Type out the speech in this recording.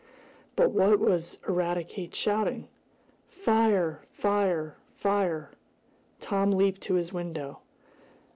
But what was Eradicate shouting? "Fire! Fire! Fire!" Tom leaped to his window.